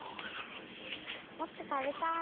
もっとたべたい。